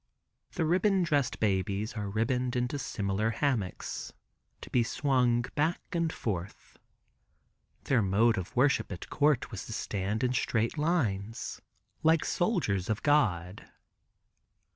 The ribbon dressed babies are ribboned into similar hammocks, to be swung back and forth. Their mode of worship at court was to stand in straight lines, like soldiers of God.